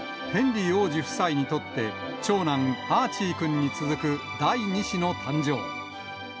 ヘンリー王子夫妻にとって、長男、アーチーくんに続く第２子の誕生。